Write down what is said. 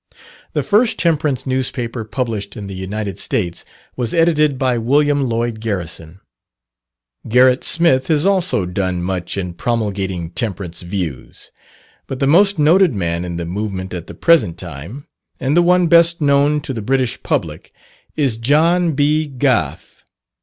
The first temperance newspaper published in the United States, was edited by William Lloyd Garrison. Gerrit Smith has also done much in promulgating temperance views. But the most noted man in the movement at the present time, and the one best known to the British public, is John B. Gough.